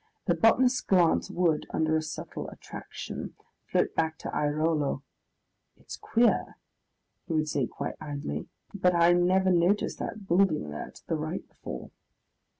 The botanist's glance would, under a subtle attraction, float back to Airolo. "It's queer," he would say quite idly, "but I never noticed that building there to the right before."